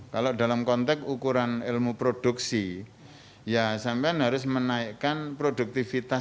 kalau dalam konteks ukuran ilmu produksi ya sampean harus menaikkan produktivitas